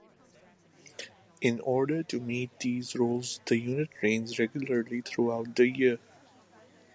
In order to meet these roles the Unit trains regularly throughout the year.